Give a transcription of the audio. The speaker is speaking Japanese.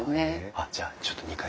あっじゃあちょっと２階に。